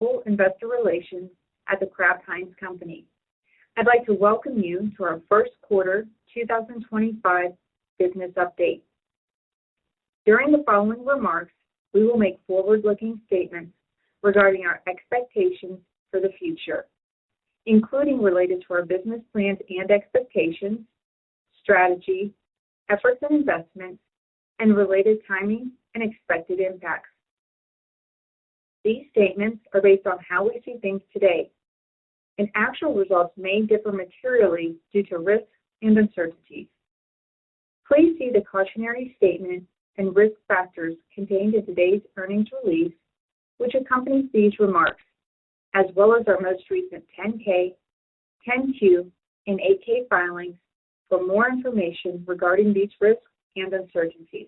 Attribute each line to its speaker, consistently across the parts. Speaker 1: Head of Investor Relations at The Kraft Heinz Company. I'd like to welcome you to our first quarter 2025 business update. During the following remarks, we will make forward-looking statements regarding our expectations for the future, including related to our business plans and expectations, strategy, efforts and investments, and related timing and expected impacts. These statements are based on how we see things today, and actual results may differ materially due to risks and uncertainties. Please see the cautionary statement and risk factors contained in today's earnings release, which accompanies these remarks, as well as our most recent 10-K, 10-Q, and 8-K filings for more information regarding these risks and uncertainties.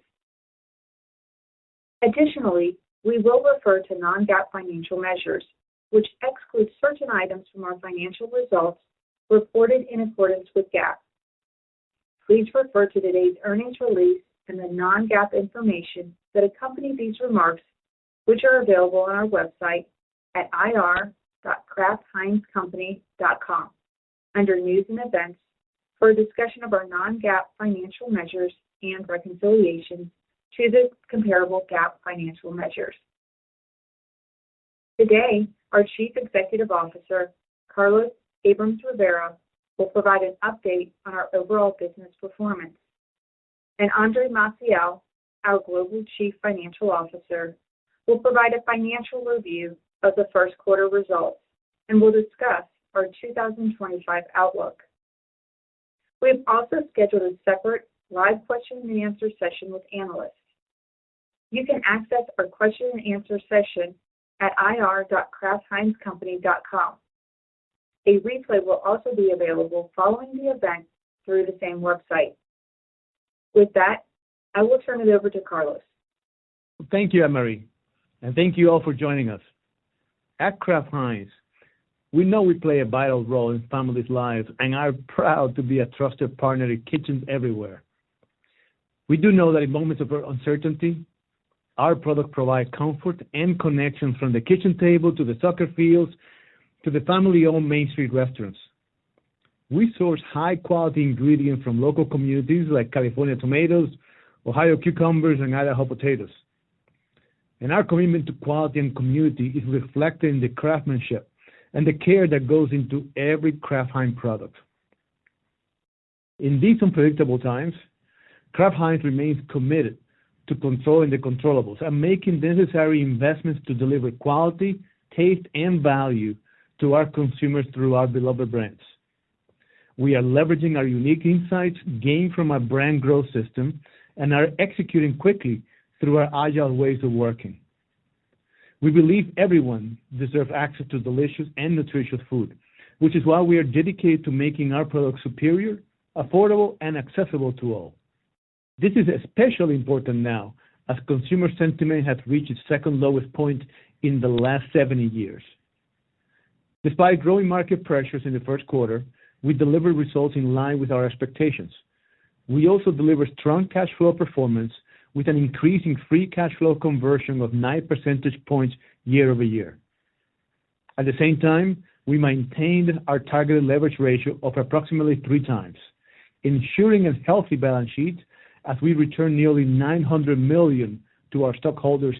Speaker 1: Additionally, we will refer to non-GAAP financial measures, which exclude certain items from our financial results reported in accordance with GAAP. Please refer to today's earnings release and the non-GAAP information that accompany these remarks, which are available on our website at ir.kraftheinzcompany.com under News and Events for a discussion of our non-GAAP financial measures and reconciliation to the comparable GAAP financial measures. Today, our Chief Executive Officer, Carlos Abrams-Rivera, will provide an update on our overall business performance, and Andre Maciel, our Global Chief Financial Officer, will provide a financial review of the first quarter results and will discuss our 2025 outlook. We have also scheduled a separate live question and answer session with analysts. You can access our question and answer session at ir.kraftheinzcompany.com. A replay will also be available following the event through the same website. With that, I will turn it over to Carlos.
Speaker 2: Thank you, Anne-Marie, and thank you all for joining us. At Kraft Heinz, we know we play a vital role in families' lives, and are proud to be a trusted partner in Kitchens Everywhere. We do know that in moments of uncertainty, our product provides comfort and connection from the kitchen table to the soccer fields to the family-owned Main Street restaurants. We source high-quality ingredients from local communities like California tomatoes, Ohio cucumbers, and Idaho potatoes. Our commitment to quality and community is reflected in the craftsmanship and the care that goes into every Kraft Heinz product. In these unpredictable times, Kraft Heinz remains committed to controlling the controllables, making necessary investments to deliver quality, taste, and value to our consumers through our beloved brands. We are leveraging our unique insights gained from our brand growth system and are executing quickly through our agile ways of working. We believe everyone deserves access to delicious and nutritious food, which is why we are dedicated to making our products superior, affordable, and accessible to all. This is especially important now as consumer sentiment has reached its second lowest point in the last 70 years. Despite growing market pressures in the first quarter, we delivered results in line with our expectations. We also delivered strong cash flow performance with an increasing free cash flow conversion of 9 percentage points year-over-year. At the same time, we maintained our targeted leverage ratio of approximately 3 times, ensuring a healthy balance sheet as we return nearly $900 million to our stockholders.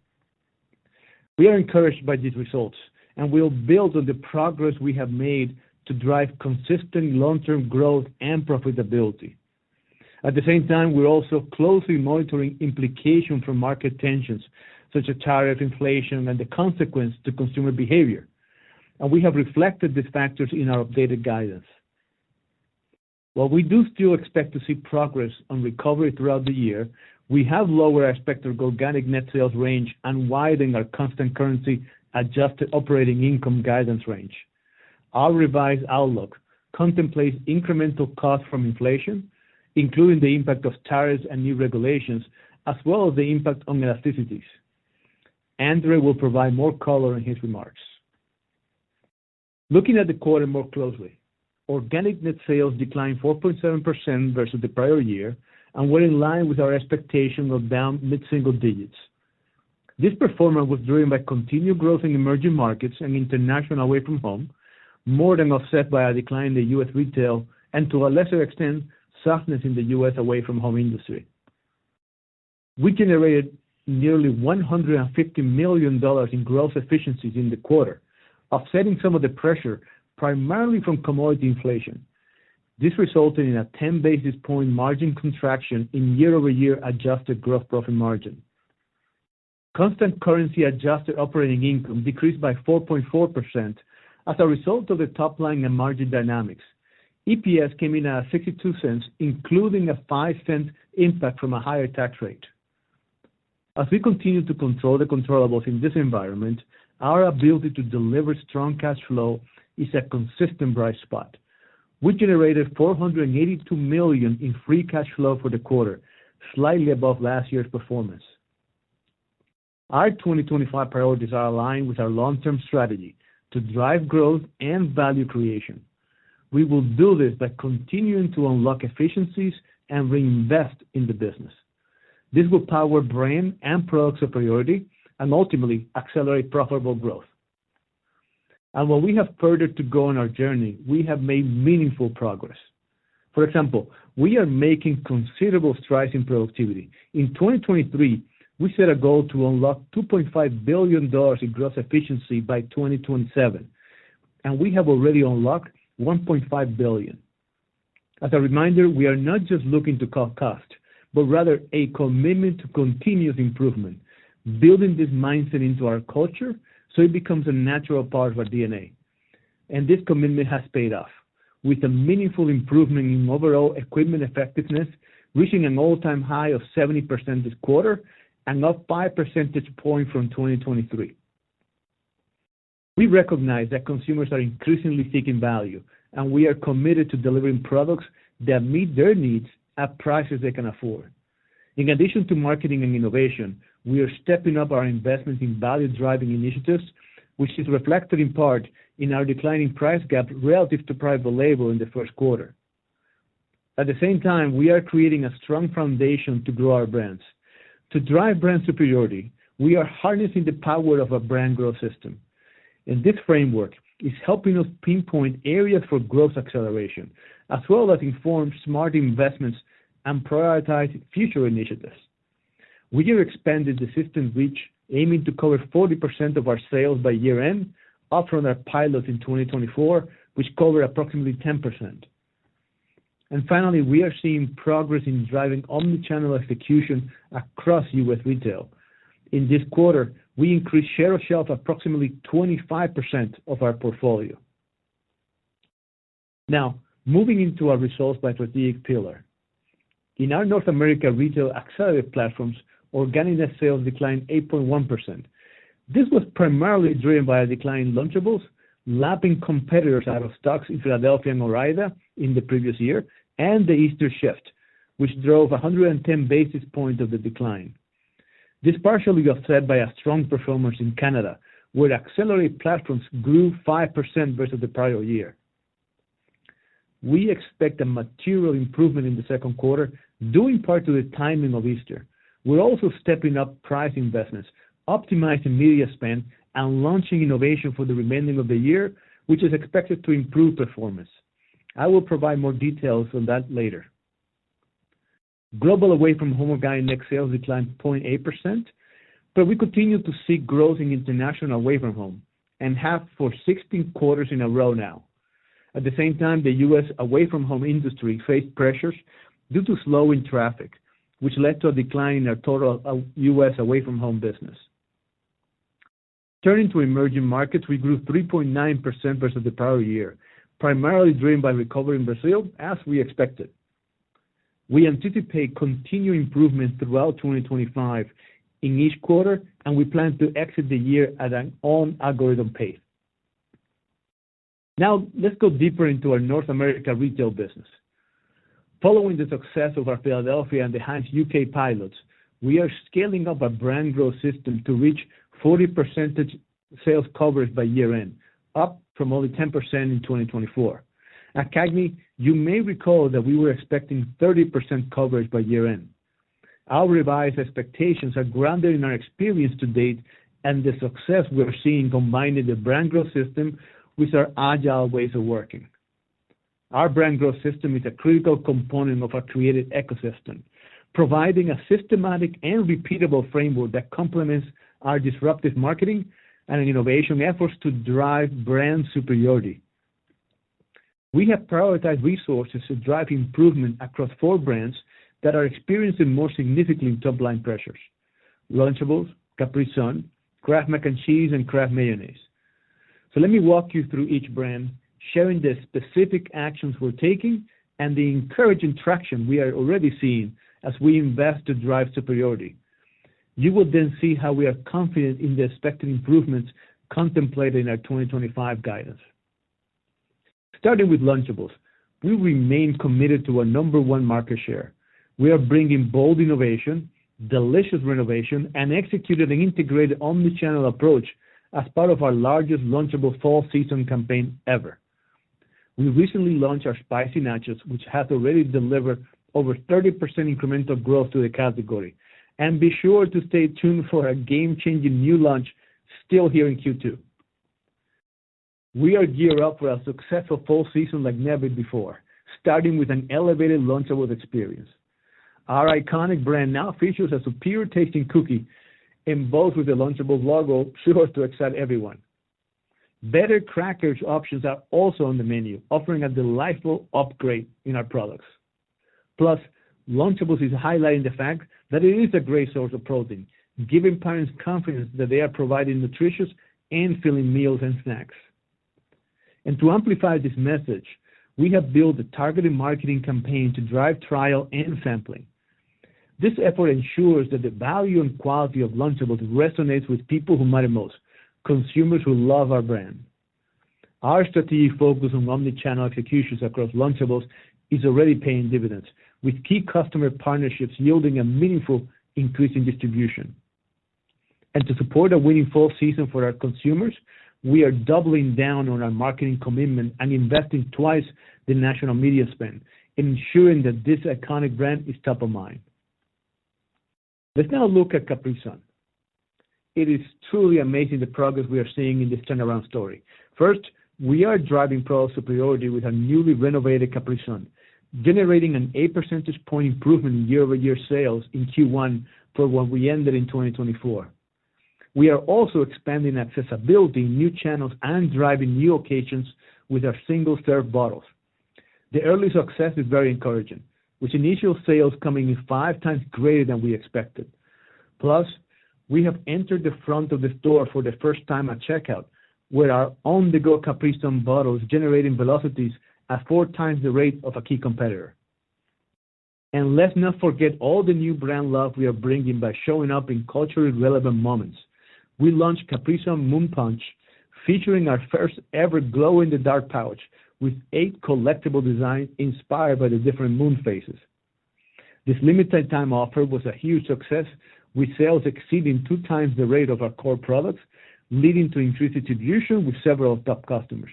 Speaker 2: We are encouraged by these results, and we'll build on the progress we have made to drive consistent long-term growth and profitability. At the same time, we're also closely monitoring implications for market tensions such as tariff inflation and the consequences to consumer behavior, and we have reflected these factors in our updated guidance. While we do still expect to see progress on recovery throughout the year, we have lowered our expected organic net sales range and widened our constant currency-adjusted operating income guidance range. Our revised outlook contemplates incremental costs from inflation, including the impact of tariffs and new regulations, as well as the impact on elasticities. Andre will provide more color in his remarks. Looking at the quarter more closely, organic net sales declined 4.7% versus the prior year and were in line with our expectation of down mid-single digits. This performance was driven by continued growth in emerging markets and international away from home, more than offset by a decline in the U.S. Retail and, to a lesser extent, softness in the U.S. away from home industry. We generated nearly $150 million in gross efficiencies in the quarter, offsetting some of the pressure primarily from commodity inflation. This resulted in a 10 basis point margin contraction in year-over-year adjusted gross profit margin. Constant currency-adjusted operating income decreased by 4.4% as a result of the top line and margin dynamics. EPS came in at $0.62, including a $0.05 impact from a higher tax rate. As we continue to control the controllables in this environment, our ability to deliver strong cash flow is a consistent bright spot. We generated $482 million in free cash flow for the quarter, slightly above last year's performance. Our 2025 priorities are aligned with our long-term strategy to drive growth and value creation. We will do this by continuing to unlock efficiencies and reinvest in the business. This will power brand and products of priority and ultimately accelerate profitable growth. While we have further to go on our journey, we have made meaningful progress. For example, we are making considerable strides in productivity. In 2023, we set a goal to unlock $2.5 billion in gross efficiency by 2027, and we have already unlocked $1.5 billion. As a reminder, we are not just looking to cut costs, but rather a commitment to continuous improvement, building this mindset into our culture so it becomes a natural part of our DNA. This commitment has paid off, with a meaningful improvement in overall equipment effectiveness, reaching an all-time high of 70% this quarter and up 5 percentage points from 2023. We recognize that consumers are increasingly seeking value, and we are committed to delivering products that meet their needs at prices they can afford. In addition to marketing and innovation, we are stepping up our investments in value-driving initiatives, which is reflected in part in our declining price gap relative to private label in the first quarter. At the same time, we are creating a strong foundation to grow our brands. To drive brand superiority, we are harnessing the power of our brand growth system. This framework is helping us pinpoint areas for growth acceleration, as well as inform smart investments and prioritize future initiatives. We have expanded the system reach, aiming to cover 40% of our sales by year-end, offering our pilots in 2024, which cover approximately 10%. Finally, we are seeing progress in driving omnichannel execution across U.S. retail. In this quarter, we increased share of shelf approximately 25% of our portfolio. Now, moving into our results by strategic pillar. In our North America retail accelerated platforms, organic net sales declined 8.1%. This was primarily driven by a decline in Lunchables, lapping competitors out of stocks in Philadelphia and Ore-Ida in the previous year, and the Easter shift, which drove 110 basis points of the decline. This partially got fed by a strong performance in Canada, where accelerated platforms grew 5% versus the prior year. We expect a material improvement in the second quarter, due in part to the timing of Easter. We are also stepping up price investments, optimizing media spend, and launching innovation for the remainder of the year, which is expected to improve performance. I will provide more details on that later. Global away from home organic net sales declined 0.8%, but we continue to see growth in international away from home and have for 16 quarters in a row now. At the same time, the U.S. Away from home industry faced pressures due to slowing traffic, which led to a decline in our total U.S. away from home business. Turning to emerging markets, we grew 3.9% versus the prior year, primarily driven by recovery in Brazil, as we expected. We anticipate continued improvement throughout 2025 in each quarter, and we plan to exit the year at our own algorithm pace. Now, let's go deeper into our North America retail business. Following the success of our Philadelphia and the Heinz U.K. pilots, we are scaling up our brand growth system to reach 40% sales coverage by year-end, up from only 10% in 2024. At CAGNY, you may recall that we were expecting 30% coverage by year-end. Our revised expectations are grounded in our experience to date and the success we're seeing combining the brand growth system with our agile ways of working. Our brand growth system is a critical component of our created ecosystem, providing a systematic and repeatable framework that complements our disruptive marketing and innovation efforts to drive brand superiority. We have prioritized resources to drive improvement across four brands that are experiencing more significant top line pressures: Lunchables, Capri Sun, Kraft Mac and Cheese, and Kraft Mayonnaise. Let me walk you through each brand, sharing the specific actions we're taking and the encouraging traction we are already seeing as we invest to drive superiority. You will then see how we are confident in the expected improvements contemplated in our 2025 guidance. Starting with Lunchables, we remain committed to our number one market share. We are bringing bold innovation, delicious renovation, and executed an integrated omnichannel approach as part of our largest Lunchables fall season campaign ever. We recently launched our spicy nachos, which has already delivered over 30% incremental growth to the category. Be sure to stay tuned for a game-changing new launch still here in Q2. We are geared up for a successful fall season like never before, starting with an elevated Lunchables experience. Our iconic brand now features a superior tasting cookie embossed with the Lunchables logo, sure to excite everyone. Better cracker options are also on the menu, offering a delightful upgrade in our products. Plus, Lunchables is highlighting the fact that it is a great source of protein, giving parents confidence that they are providing nutritious and filling meals and snacks. To amplify this message, we have built a targeted marketing campaign to drive trial and sampling. This effort ensures that the value and quality of Lunchables resonates with people who matter most, consumers who love our brand. Our strategic focus on omnichannel executions across Lunchables is already paying dividends, with key customer partnerships yielding a meaningful increase in distribution. To support a winning fall season for our consumers, we are doubling down on our marketing commitment and investing twice the national media spend, ensuring that this iconic brand is top of mind. Let's now look at Capri Sun. It is truly amazing the progress we are seeing in this turnaround story. First, we are driving product superiority with our newly renovated Capri Sun, generating an 8 percentage point improvement in year-over-year sales in Q1 for what we ended in 2024. We are also expanding accessibility in new channels and driving new occasions with our single-serve bottles. The early success is very encouraging, with initial sales coming in five times greater than we expected. Plus, we have entered the front of the store for the first time at checkout, where our on-the-go Capri Sun bottles generate velocities at four times the rate of a key competitor. Let's not forget all the new brand love we are bringing by showing up in culturally relevant moments. We launched Capri Sun Moon Punch, featuring our first ever glow-in-the-dark pouch with eight collectible designs inspired by the different moon phases. This limited-time offer was a huge success, with sales exceeding two times the rate of our core products, leading to increased distribution with several top customers.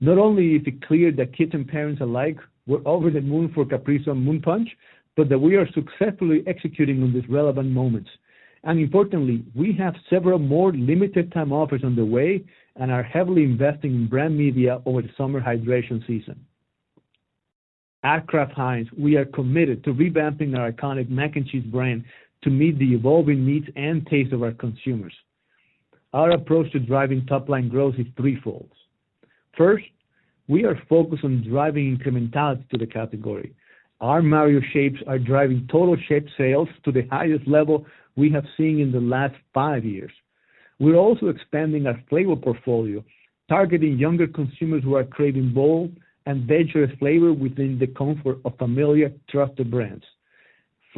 Speaker 2: Not only is it clear that kids and parents alike were over the moon for Capri Sun Moon Punch, but that we are successfully executing on these relevant moments. Importantly, we have several more limited-time offers on the way and are heavily investing in brand media over the summer hydration season. At Kraft Heinz, we are committed to revamping our iconic mac and cheese brand to meet the evolving needs and tastes of our consumers. Our approach to driving top-line growth is threefold. First, we are focused on driving incrementality to the category. Our Mario shapes are driving total shape sales to the highest level we have seen in the last five years. We are also expanding our flavor portfolio, targeting younger consumers who are craving bold and dangerous flavor within the comfort of familiar, trusted brands.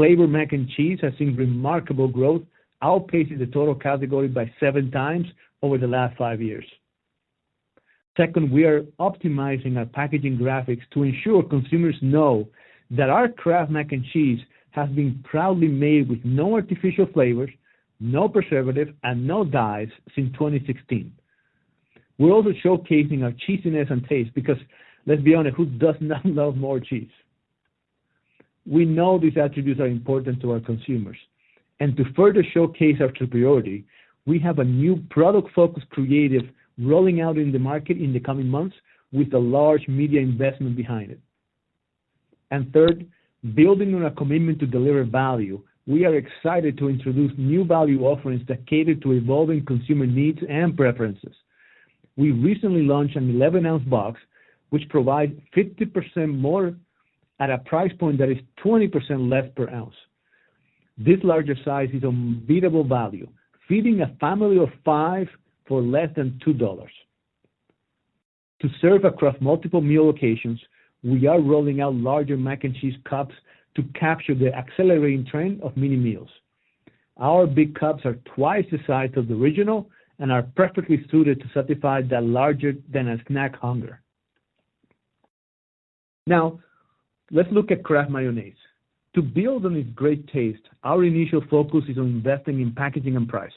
Speaker 2: Flavor mac and cheese has seen remarkable growth, outpacing the total category by seven times over the last five years. Second, we are optimizing our packaging graphics to ensure consumers know that our Kraft Mac and Cheese has been proudly made with no artificial flavors, no preservatives, and no dyes since 2016. We are also showcasing our cheesiness and taste because, let's be honest, who does not love more cheese? We know these attributes are important to our consumers. To further showcase our superiority, we have a new product-focused creative rolling out in the market in the coming months with a large media investment behind it. Third, building on our commitment to deliver value, we are excited to introduce new value offerings that cater to evolving consumer needs and preferences. We recently launched an 11-ounce box, which provides 50% more at a price point that is 20% less per ounce. This larger size is unbeatable value, feeding a family of five for less than $2. To serve across multiple meal locations, we are rolling out larger mac and cheese cups to capture the accelerating trend of mini meals. Our big cups are twice the size of the original and are perfectly suited to satisfy that larger-than-a-snack hunger. Now, let's look at Kraft Mayonnaise. To build on its great taste, our initial focus is on investing in packaging and price.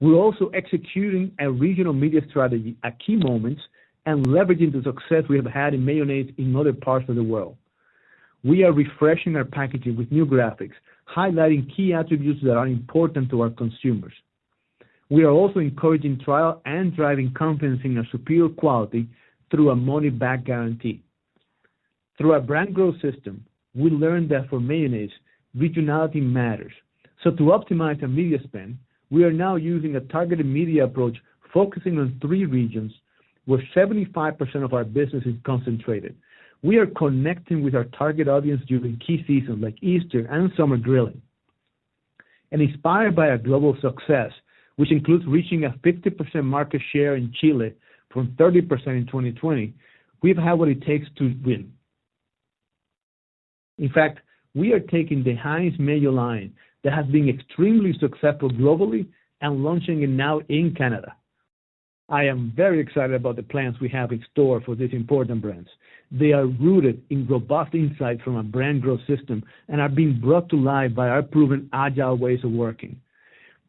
Speaker 2: We're also executing a regional media strategy at key moments and leveraging the success we have had in mayonnaise in other parts of the world. We are refreshing our packaging with new graphics, highlighting key attributes that are important to our consumers. We are also encouraging trial and driving confidence in our superior quality through a money-back guarantee. Through our brand growth system, we learned that for mayonnaise, regionality matters. To optimize our media spend, we are now using a targeted media approach focusing on three regions, where 75% of our business is concentrated. We are connecting with our target audience during key seasons like Easter and summer grilling. Inspired by our global success, which includes reaching a 50% market share in Chile from 30% in 2020, we've had what it takes to win. In fact, we are taking the Heinz menu line that has been extremely successful globally and launching it now in Canada. I am very excited about the plans we have in store for these important brands. They are rooted in robust insights from our brand growth system and are being brought to life by our proven agile ways of working.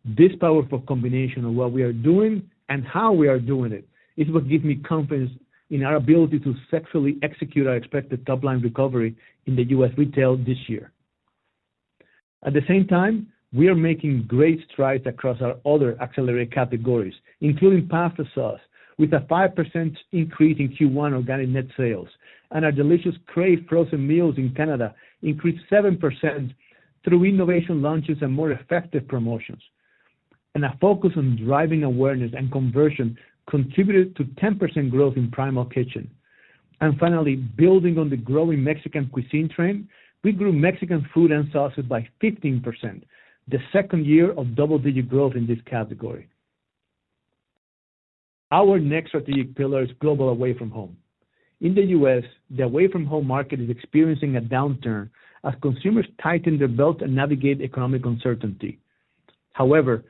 Speaker 2: This powerful combination of what we are doing and how we are doing it is what gives me confidence in our ability to successfully execute our expected top-line recovery in the U.S. retail this year. At the same time, we are making great strides across our other accelerated categories, including pasta sauce, with a 5% increase in Q1 organic net sales, and our delicious Kraft frozen meals in Canada increased 7% through innovation launches and more effective promotions. Our focus on driving awareness and conversion contributed to 10% growth in Primal Kitchen. Finally, building on the growing Mexican cuisine trend, we grew Mexican food and sauces by 15%, the second year of double-digit growth in this category. Our next strategic pillar is global away from home. In the U.S., the away-from-home market is experiencing a downturn as consumers tighten their belts and navigate economic uncertainty. However,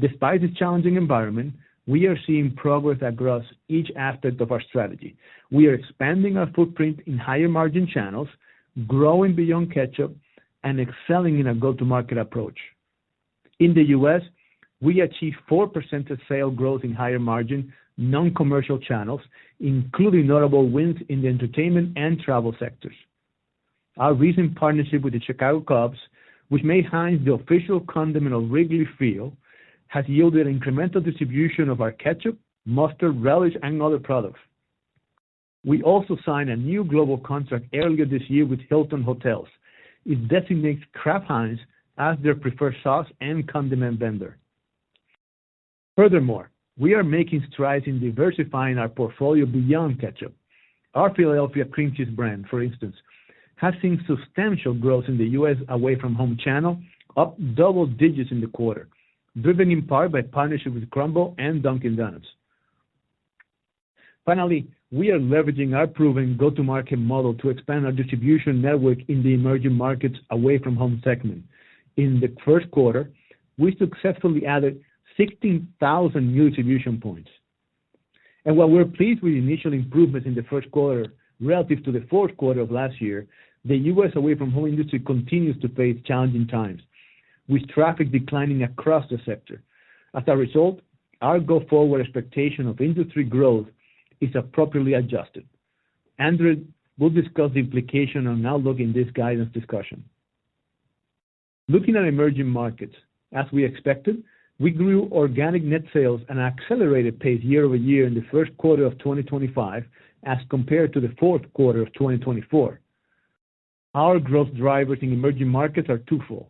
Speaker 2: despite this challenging environment, we are seeing progress across each aspect of our strategy. We are expanding our footprint in higher margin channels, growing beyond ketchup and excelling in a go-to-market approach. In the U.S., we achieved 4% of sales growth in higher margin non-commercial channels, including notable wins in the entertainment and travel sectors. Our recent partnership with the Chicago Cubs, which made Heinz the official condiment of Wrigley Field, has yielded incremental distribution of our ketchup, mustard, relish, and other products. We also signed a new global contract earlier this year with Hilton Hotels. It designates Kraft Heinz as their preferred sauce and condiment vendor. Furthermore, we are making strides in diversifying our portfolio beyond ketchup. Our Philadelphia cream cheese brand, for instance, has seen substantial growth in the U.S. Away-from-home channel, up double digits in the quarter, driven in part by partnership with Crumbl and Dunkin' Donuts. Finally, we are leveraging our proven go-to-market model to expand our distribution network in the emerging markets' away-from-home segment. In the first quarter, we successfully added 16,000 new distribution points. While we are pleased with initial improvements in the first quarter relative to the fourth quarter of last year, the U.S. away-from-home industry continues to face challenging times, with traffic declining across the sector. As a result, our go-forward expectation of industry growth is appropriately adjusted. Andre will discuss the implication on outlook in this guidance discussion. Looking at emerging markets, as we expected, we grew organic net sales at an accelerated pace year-over-year in the first quarter of 2025 as compared to the fourth quarter of 2024. Our growth drivers in emerging markets are twofold: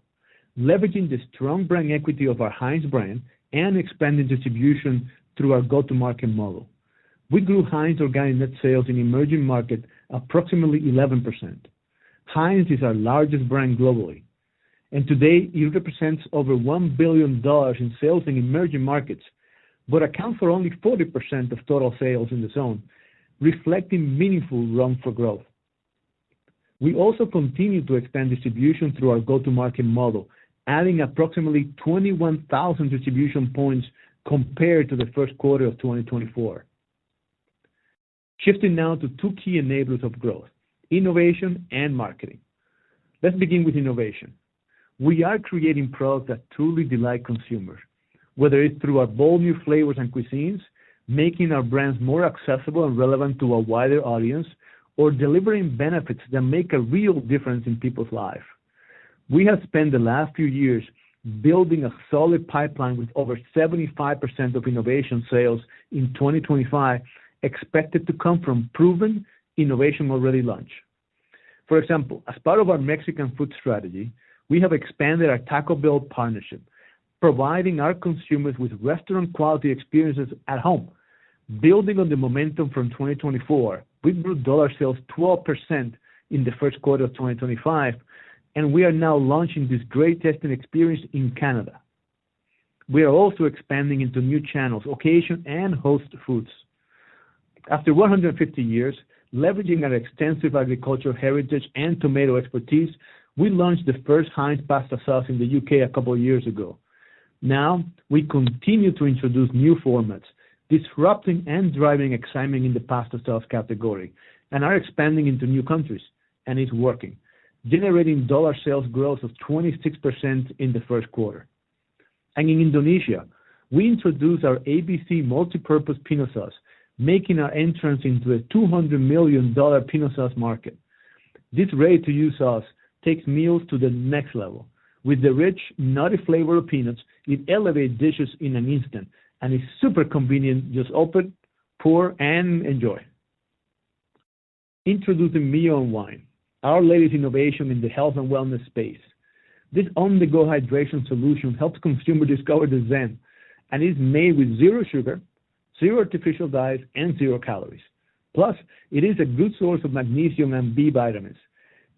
Speaker 2: leveraging the strong brand equity of our Heinz brand and expanding distribution through our go-to-market model. We grew Heinz organic net sales in emerging markets approximately 11%. Heinz is our largest brand globally, and today it represents over $1 billion in sales in emerging markets, but accounts for only 40% of total sales in the zone, reflecting meaningful room for growth. We also continue to expand distribution through our go-to-market model, adding approximately 21,000 distribution points compared to the first quarter of 2024. Shifting now to two key enablers of growth: innovation and marketing. Let's begin with innovation. We are creating products that truly delight consumers, whether it's through our bold new flavors and cuisines, making our brands more accessible and relevant to a wider audience, or delivering benefits that make a real difference in people's lives. We have spent the last few years building a solid pipeline with over 75% of innovation sales in 2025 expected to come from proven innovation already launched. For example, as part of our Mexican food strategy, we have expanded our Taco Bell partnership, providing our consumers with restaurant-quality experiences at home. Building on the momentum from 2024, we grew dollar sales 12% in the first quarter of 2025, and we are now launching this great tasting experience in Canada. We are also expanding into new channels, occasion, and host foods. After 150 years, leveraging our extensive agricultural heritage and tomato expertise, we launched the first Heinz pasta sauce in the U.K. a couple of years ago. Now, we continue to introduce new formats, disrupting and driving excitement in the pasta sauce category, and are expanding into new countries, and it is working, generating dollar sales growth of 26% in the first quarter. In Indonesia, we introduced our ABC multipurpose peanut sauce, making our entrance into a $200 million peanut sauce market. This ready-to-use sauce takes meals to the next level. With the rich, nutty flavor of peanuts, it elevates dishes in an instant and is super convenient. Just open, pour, and enjoy. Introducing Mio Unwind, our latest innovation in the health and wellness space. This on-the-go hydration solution helps consumers discover the zen and is made with zero sugar, zero artificial dyes, and zero calories. Plus, it is a good source of magnesium and B vitamins.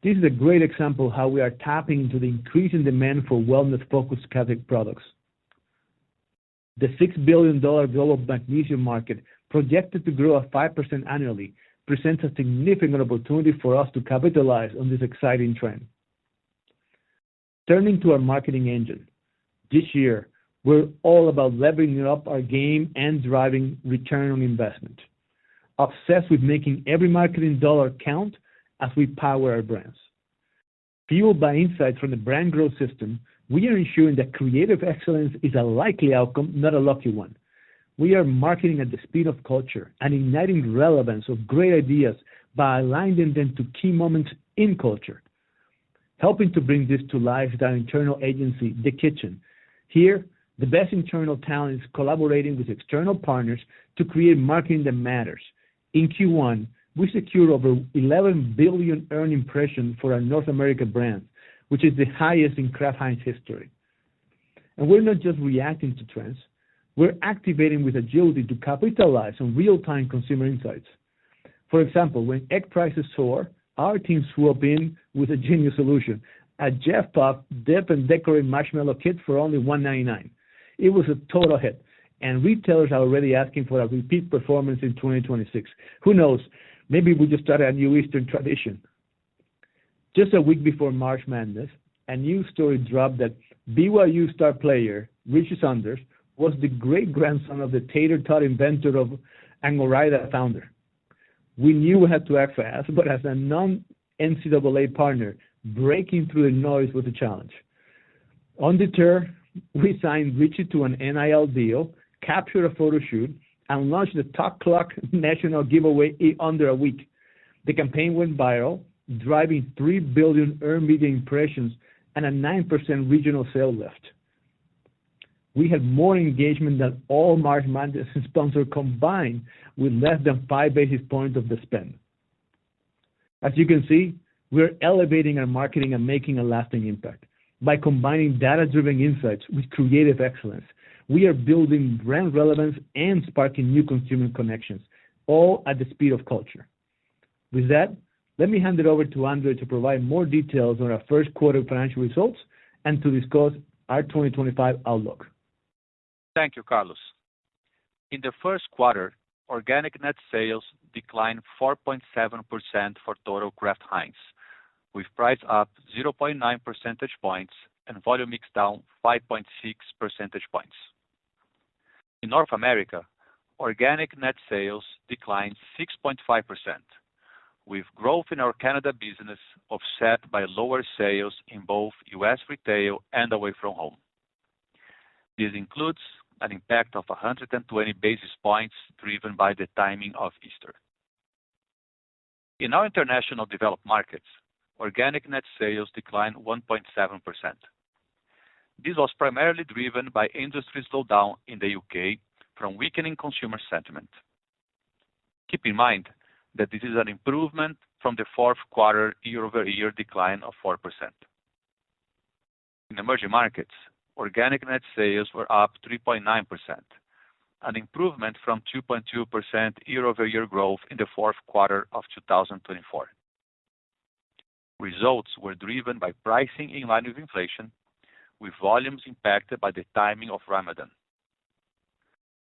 Speaker 2: This is a great example of how we are tapping into the increasing demand for wellness-focused Kraft products. The $6 billion global magnesium market, projected to grow at 5% annually, presents a significant opportunity for us to capitalize on this exciting trend. Turning to our marketing engine, this year, we're all about levering up our game and driving return on investment. Obsessed with making every marketing dollar count as we power our brands. Fueled by insights from the brand growth system, we are ensuring that creative excellence is a likely outcome, not a lucky one. We are marketing at the speed of culture and igniting relevance of great ideas by aligning them to key moments in culture, helping to bring this to life with our internal agency, The Kitchen. Here, the best internal talent is collaborating with external partners to create marketing that matters. In Q1, we secured over 11 billion earned impressions for our North American brand, which is the highest in Kraft Heinz history. We're not just reacting to trends. We're activating with agility to capitalize on real-time consumer insights. For example, when egg prices soar, our team swept in with a genius solution: a Jet-Puffed Dip & Decorate marshmallow kit for only $1.99. It was a total hit, and retailers are already asking for a repeat performance in 2026. Who knows? Maybe we just started a new Easter tradition. Just a week before March Madness, a news story dropped that BYU star player Richie Saunders was the great-grandson of the Tater Tot inventor, the founder of Ore-Ida. We knew we had to act fast, but as a non-NCAA partner, breaking through the noise was a challenge. On detour, we signed Richie to an NIL deal, captured a photo shoot, and launched the Tot Clock National Giveaway in under a week. The campaign went viral, driving 3 billion earned media impressions and a 9% regional sale lift. We had more engagement than all March Madness sponsors combined with less than five basis points of the spend. As you can see, we're elevating our marketing and making a lasting impact. By combining data-driven insights with creative excellence, we are building brand relevance and sparking new consumer connections, all at the speed of culture. With that, let me hand it over to Andre to provide more details on our first quarter financial results and to discuss our 2025 outlook.
Speaker 3: Thank you, Carlos. In the first quarter, organic net sales declined 4.7% for total Kraft Heinz, with price up 0.9 percentage points and volume mixed down 5.6 percentage points. In North America, organic net sales declined 6.5%, with growth in our Canada business offset by lower sales in both U.S. Retail and away from home. This includes an impact of 120 basis points driven by the timing of Easter. In our international developed markets, organic net sales declined 1.7%. This was primarily driven by industry slowdown in the U.K. from weakening consumer sentiment. Keep in mind that this is an improvement from the fourth quarter year-over-year decline of 4%. In emerging markets, organic net sales were up 3.9%, an improvement from 2.2% year-over-year growth in the fourth quarter of 2024. Results were driven by pricing in line with inflation, with volumes impacted by the timing of Ramadan.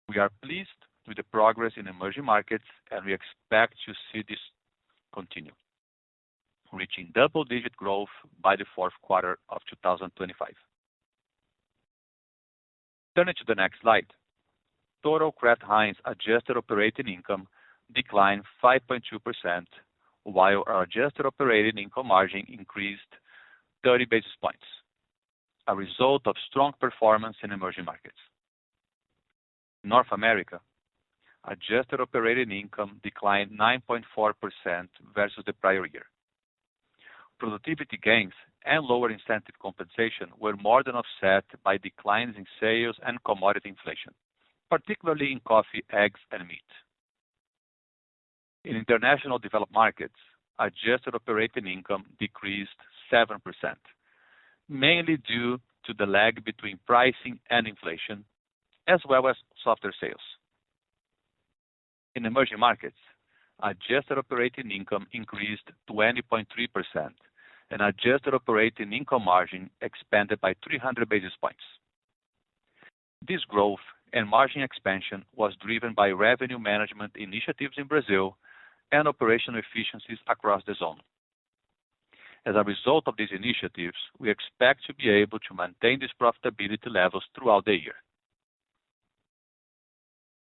Speaker 3: We are pleased with the progress in emerging markets, and we expect to see this continue, reaching double-digit growth by the fourth quarter of 2025. Turning to the next slide, total Kraft Heinz adjusted operating income declined 5.2%, while our adjusted operating income margin increased 30 basis points, a result of strong performance in emerging markets. In North America, adjusted operating income declined 9.4% versus the prior year. Productivity gains and lower incentive compensation were more than offset by declines in sales and commodity inflation, particularly in coffee, eggs, and meat. In international developed markets, adjusted operating income decreased 7%, mainly due to the lag between pricing and inflation, as well as softer sales. In emerging markets, adjusted operating income increased 20.3%, and adjusted operating income margin expanded by 300 basis points. This growth and margin expansion was driven by revenue management initiatives in Brazil and operational efficiencies across the zone. As a result of these initiatives, we expect to be able to maintain these profitability levels throughout the year.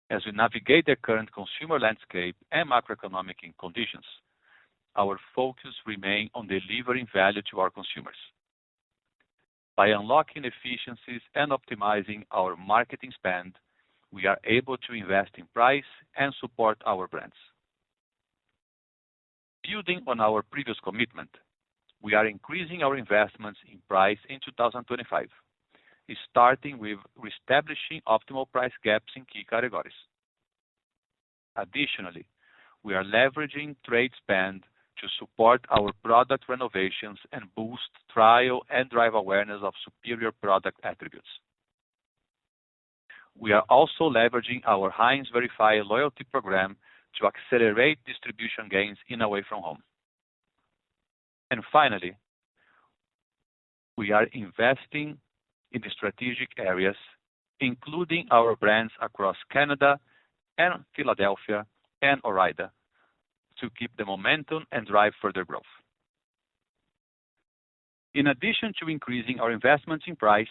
Speaker 3: As we navigate the current consumer landscape and macroeconomic conditions, our focus remains on delivering value to our consumers. By unlocking efficiencies and optimizing our marketing spend, we are able to invest in price and support our brands. Building on our previous commitment, we are increasing our investments in price in 2025, starting with reestablishing optimal price gaps in key categories. Additionally, we are leveraging trade spend to support our product renovations and boost trial and drive awareness of superior product attributes. We are also leveraging our Heinz Verify loyalty program to accelerate distribution gains in away from home. Finally, we are investing in the strategic areas, including our brands across Canada and Philadelphia and Ore-Ida to keep the momentum and drive further growth. In addition to increasing our investments in price,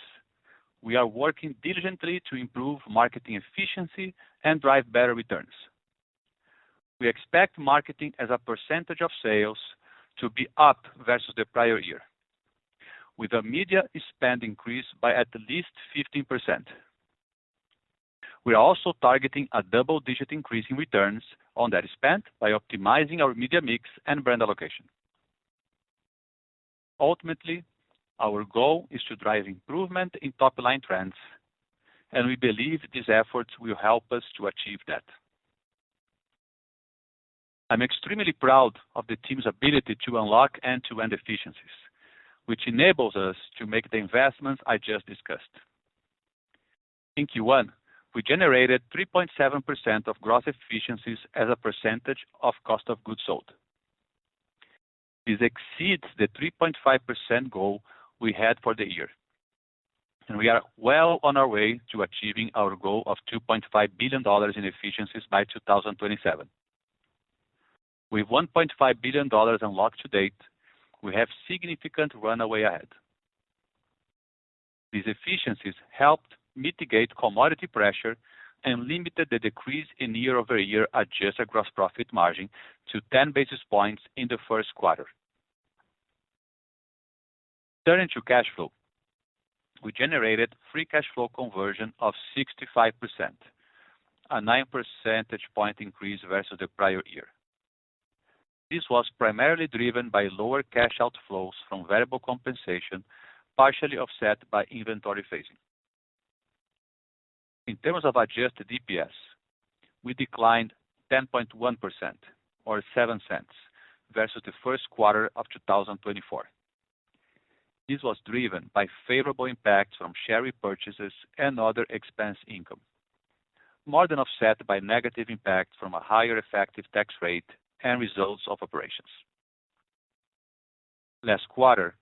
Speaker 3: we are working diligently to improve marketing efficiency and drive better returns. We expect marketing as a percentage of sales to be up versus the prior year, with a media spend increase by at least 15%. We are also targeting a double-digit increase in returns on that spend by optimizing our media mix and brand allocation. Ultimately, our goal is to drive improvement in top-line trends, and we believe these efforts will help us to achieve that. I'm extremely proud of the team's ability to unlock end-to-end efficiencies, which enables us to make the investments I just discussed. In Q1, we generated 3.7% of gross efficiencies as a percentage of cost of goods sold. This exceeds the 3.5% goal we had for the year, and we are well on our way to achieving our goal of $2.5 billion in efficiencies by 2027. With $1.5 billion unlocked to date, we have significant runway ahead. These efficiencies helped mitigate commodity pressure and limited the decrease in year-over-year adjusted gross profit margin to 10 basis points in the first quarter. Turning to cash flow, we generated free cash flow conversion of 65%, a 9 percentage point increase versus the prior year. This was primarily driven by lower cash outflows from variable compensation, partially offset by inventory phasing. In terms of adjusted EPS, we declined 10.1% or $0.07 versus the first quarter of 2024. This was driven by favorable impacts from share repurchases and other expense income, more than offset by negative impacts from a higher effective tax rate and results of operations. Last quarter,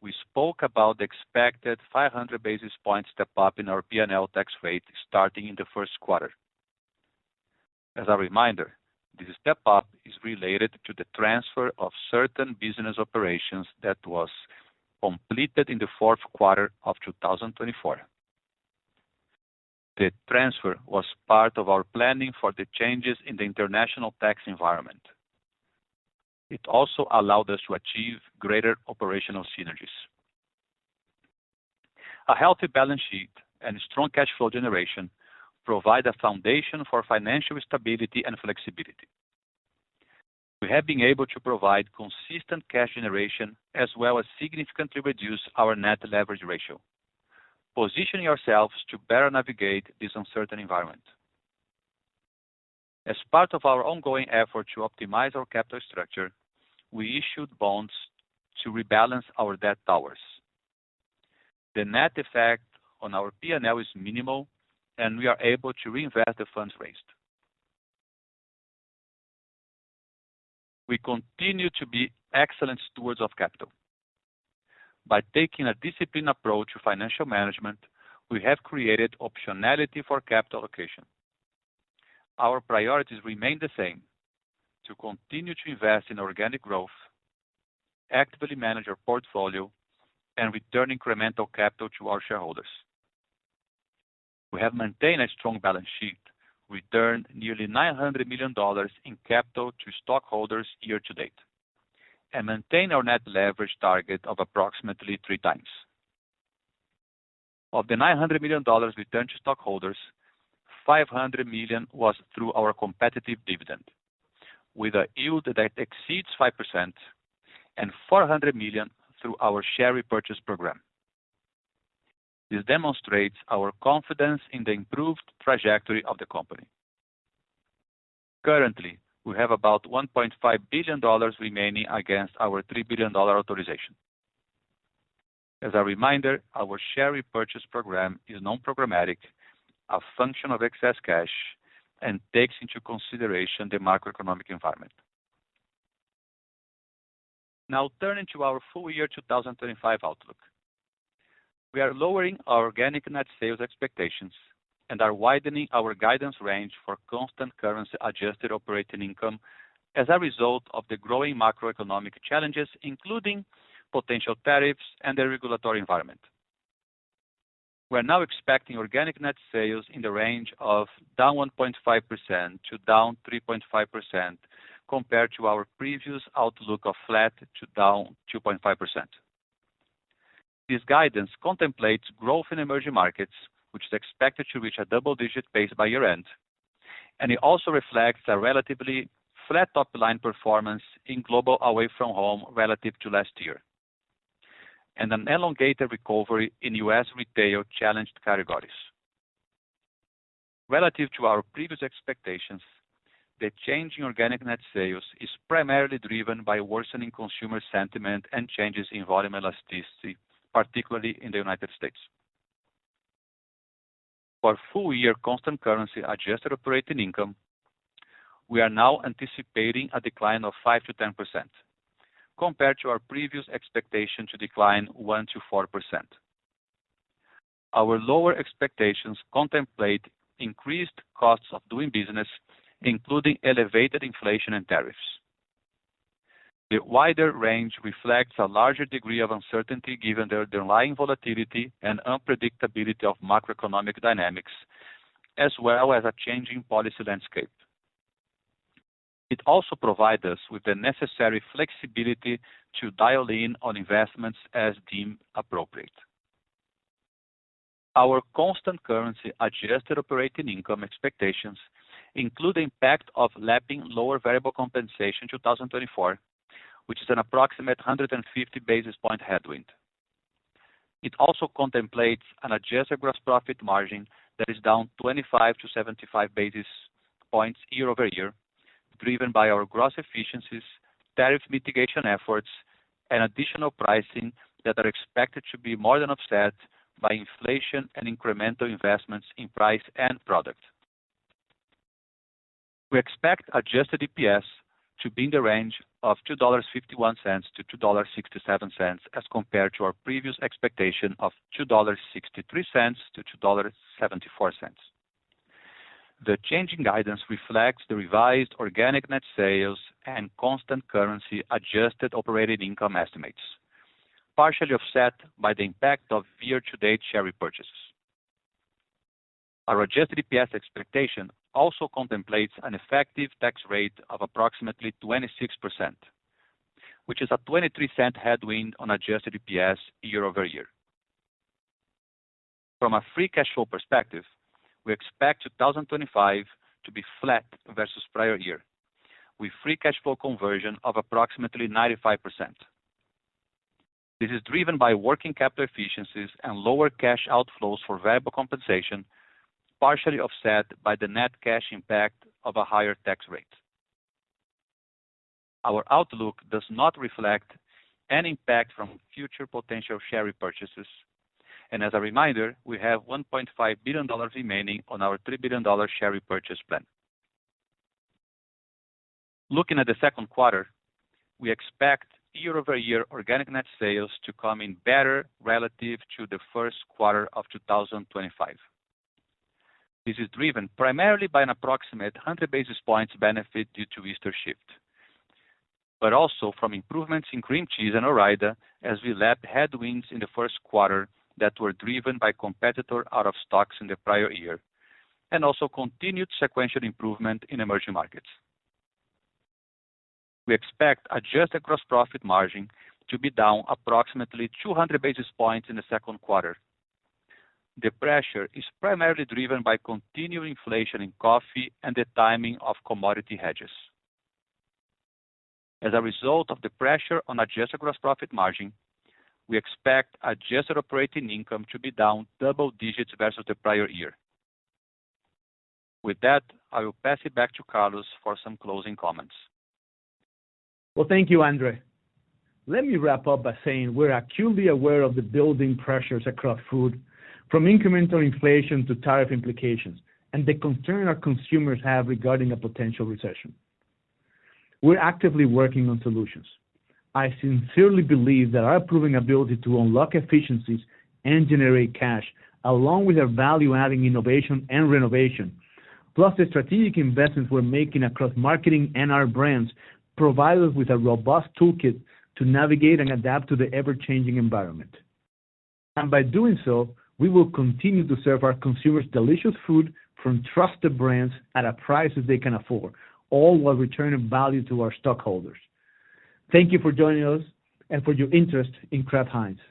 Speaker 3: we spoke about the expected 500 basis points step-up in our P&L tax rate starting in the first quarter. As a reminder, this step-up is related to the transfer of certain business operations that was completed in the fourth quarter of 2024. The transfer was part of our planning for the changes in the international tax environment. It also allowed us to achieve greater operational synergies. A healthy balance sheet and strong cash flow generation provide a foundation for financial stability and flexibility. We have been able to provide consistent cash generation as well as significantly reduce our net leverage ratio, positioning ourselves to better navigate this uncertain environment. As part of our ongoing effort to optimize our capital structure, we issued bonds to rebalance our debt towers. The net effect on our P&L is minimal, and we are able to reinvest the funds raised. We continue to be excellent stewards of capital. By taking a disciplined approach to financial management, we have created optionality for capital allocation. Our priorities remain the same: to continue to invest in organic growth, actively manage our portfolio, and return incremental capital to our shareholders. We have maintained a strong balance sheet, returned nearly $900 million in capital to stockholders year-to-date, and maintained our net leverage target of approximately three times. Of the $900 million returned to stockholders, $500 million was through our competitive dividend, with a yield that exceeds 5%, and $400 million through our share repurchase program. This demonstrates our confidence in the improved trajectory of the company. Currently, we have about $1.5 billion remaining against our $3 billion authorization. As a reminder, our share repurchase program is non-programmatic, a function of excess cash, and takes into consideration the macroeconomic environment. Now, turning to our full year 2025 outlook, we are lowering our organic net sales expectations and are widening our guidance range for constant currency-adjusted operating income as a result of the growing macroeconomic challenges, including potential tariffs and the regulatory environment. We are now expecting organic net sales in the range of down 1.5% to down 3.5% compared to our previous outlook of flat to down 2.5%. This guidance contemplates growth in emerging markets, which is expected to reach a double-digit base by year-end, and it also reflects a relatively flat top-line performance in global away from home relative to last year and an elongated recovery in U.S. retail challenged categories. Relative to our previous expectations, the change in organic net sales is primarily driven by worsening consumer sentiment and changes in volume elasticity, particularly in the United States. For full-year constant currency-adjusted operating income, we are now anticipating a decline of 5%-10% compared to our previous expectation to decline 1%-4%. Our lower expectations contemplate increased costs of doing business, including elevated inflation and tariffs. The wider range reflects a larger degree of uncertainty given the underlying volatility and unpredictability of macroeconomic dynamics, as well as a changing policy landscape. It also provides us with the necessary flexibility to dial in on investments as deemed appropriate. Our constant currency-adjusted operating income expectations include the impact of lapping lower variable compensation in 2024, which is an approximate 150 basis point headwind. It also contemplates an adjusted gross profit margin that is down 25-75 basis points year-over-year, driven by our gross efficiencies, tariff mitigation efforts, and additional pricing that are expected to be more than offset by inflation and incremental investments in price and product. We expect adjusted EPS to be in the range of $2.51-$2.67 as compared to our previous expectation of $2.63-$2.74. The changing guidance reflects the revised organic net sales and constant currency-adjusted operating income estimates, partially offset by the impact of year-to-date share repurchases. Our adjusted EPS expectation also contemplates an effective tax rate of approximately 26%, which is a 23% headwind on adjusted EPS year-over-year. From a free cash flow perspective, we expect 2025 to be flat versus prior year, with free cash flow conversion of approximately 95%. This is driven by working capital efficiencies and lower cash outflows for variable compensation, partially offset by the net cash impact of a higher tax rate. Our outlook does not reflect any impact from future potential share repurchases, and as a reminder, we have $1.5 billion remaining on our $3 billion share repurchase plan. Looking at the second quarter, we expect year-over-year organic net sales to come in better relative to the first quarter of 2025. This is driven primarily by an approximate 100 basis points benefit due to Easter shift, but also from improvements in cream cheese and Ore-Ida as we lapped headwinds in the first quarter that were driven by competitor out-of-stocks in the prior year and also continued sequential improvement in emerging markets. We expect adjusted gross profit margin to be down approximately 200 basis points in the second quarter. The pressure is primarily driven by continued inflation in coffee and the timing of commodity hedges. As a result of the pressure on adjusted gross profit margin, we expect adjusted operating income to be down double digits versus the prior year. With that, I will pass it back to Carlos for some closing comments.
Speaker 2: Thank you, Andre. Let me wrap up by saying we're acutely aware of the building pressures across food, from incremental inflation to tariff implications, and the concern our consumers have regarding a potential recession. We're actively working on solutions. I sincerely believe that our proven ability to unlock efficiencies and generate cash, along with our value-adding innovation and renovation, plus the strategic investments we're making across marketing and our brands, provide us with a robust toolkit to navigate and adapt to the ever-changing environment. By doing so, we will continue to serve our consumers delicious food from trusted brands at a price that they can afford, all while returning value to our stockholders. Thank you for joining us and for your interest in Kraft Heinz.